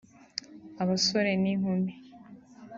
abasore n’inkumi